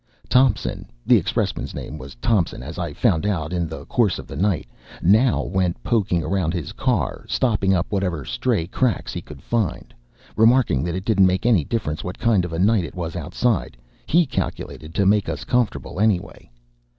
Thompson the expressman's name was Thompson, as I found out in the course of the night now went poking around his car, stopping up whatever stray cracks he could find, remarking that it didn't make any difference what kind of a night it was outside, he calculated to make us comfortable, anyway.